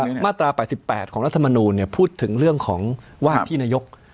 คือมาตรา๘๘ของรัฐธรรมนูเนี่ยพูดถึงเรื่องของว่าที่นายก